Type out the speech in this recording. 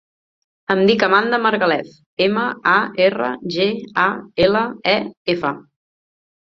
Em dic Amanda Margalef: ema, a, erra, ge, a, ela, e, efa.